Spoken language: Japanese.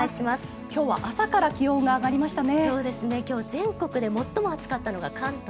今日は朝から気温が上がりましたね。